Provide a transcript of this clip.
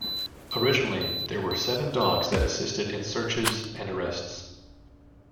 Originally there were seven dogs that assisted in searches and arrests.